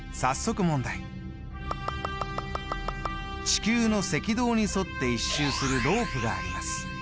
地球の赤道に沿って１周するロープがあります。